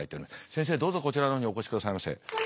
先生どうぞこちらの方にお越しくださいませ。